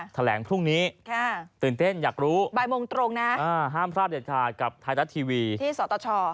แถลงพรุ่งนี้ตื่นเต้นอยากรู้บ่ายโมงตรงนะห้ามพลาดเด็ดขาดกับไทยรัฐทีวีที่สตช